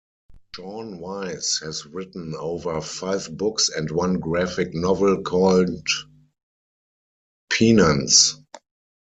Sean Wise has written over five books and one graphic novel called "Penance".